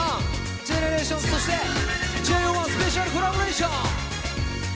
ＧＥＮＥＲＡＴＩＯＮＳそしてＪＯ１スペシャルコラボレーション。